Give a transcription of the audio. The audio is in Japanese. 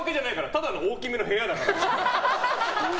ただの大きめの部屋だから。